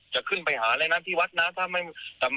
จะขึ้นไปหาเลยนะที่วัดนะ